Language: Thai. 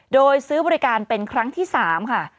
โดยซื้อบริการเป็นครั้งที่๓ค่ะ